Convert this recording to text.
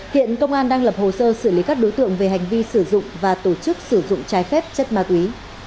hiện công an đang lập hồ sơ xử lý các đối tượng về hành vi sử dụng và tổ chức sử dụng trái phép chất ma túy